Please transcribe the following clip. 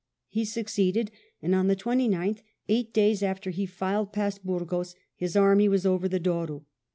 He succeeded, and on the 29th, eight days after he filed past Burgos, his army was over the Douro.